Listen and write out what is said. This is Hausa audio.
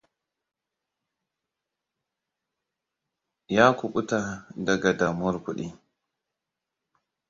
Ya kubuta daga damuwar kudi.